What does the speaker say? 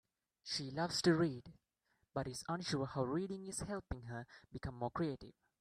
She loves to read, but is unsure how reading is helping her become more creative.